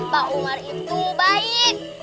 pak umar itu baik